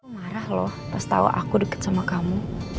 marah loh pas tahu aku deket sama kamu